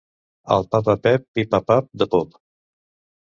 El papa Pep pipa pap de pop.